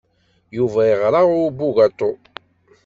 Yuba yeɣra i ubugaṭu.